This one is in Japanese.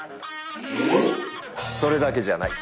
え⁉それだけじゃない。